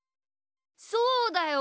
そうだよ！